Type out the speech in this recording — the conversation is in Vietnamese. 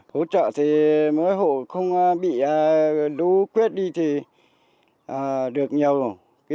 hỗ trợ thì mỗi hộ không bị đu quyết đi thì được nhiều rồi